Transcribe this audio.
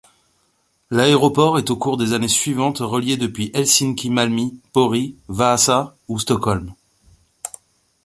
L'aéroport est au cours des années suivantes relié depuis Helsinki-Malmi, Pori, Vaasa ou Stockholm.